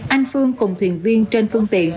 anh phương cùng thuyền viên trên phương tiện